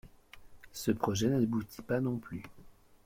Ce projet n'aboutit pas non plus.